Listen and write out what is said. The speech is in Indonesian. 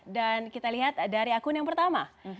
dan kita lihat dari akun yang pertama